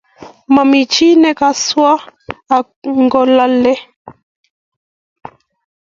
Mami chii ne kaswo angololie